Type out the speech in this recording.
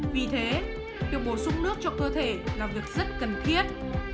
vì thế việc bổ sung nước cho cơ thể là việc rất cần thiết